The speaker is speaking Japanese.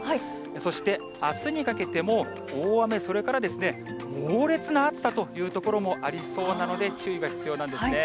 そしてあすにかけても、大雨、それから猛烈な暑さという所もありそうなので注意が必要なんですね。